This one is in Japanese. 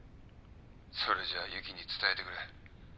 「それじゃあ由岐に伝えてくれ。